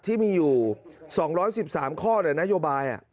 ที่มีอยู่๒๑๓ข้อหรือนโยบาย